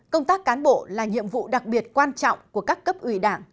công tác cán bộ là nhiệm vụ đặc biệt quan trọng của các cấp ủy đảng